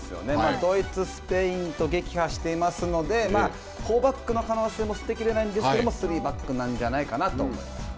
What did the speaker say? ドイツ、スペインと撃破していますので、フォーバックの可能性も捨て切れないんですけれども、スリーバックなんじゃないかと思いますね。